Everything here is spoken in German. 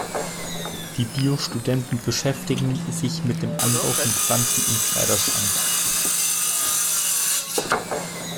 Die Bio-Studenten beschäftigen sich mit dem Anbau von Pflanzen im Kleiderschrank.